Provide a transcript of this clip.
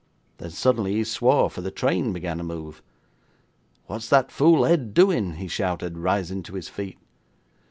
Then suddenly he swore, for the train began to move. '"What is that fool Ed doing?" he shouted, rising to his feet.